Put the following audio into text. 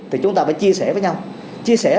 thì chúng ta phải chia sẻ với nhau chia sẻ